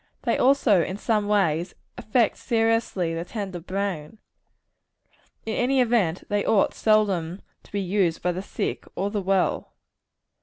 They also, in some way, affect seriously the tender brain. In any event, they ought seldom to be used by the sick or the well.